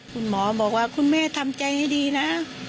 คุณหมอบอกว่าคุณแม่ทำใจให้ดีนะ